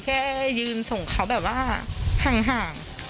แค่ยืนส่งเขาแบบว่าห่าง